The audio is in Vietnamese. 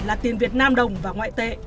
là tiền việt nam đồng và ngoại tệ